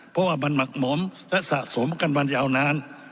เพราะว่ามันหมักหมมและสะสมกันมายาวนาน